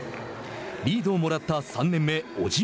リードをもらった３年目小島。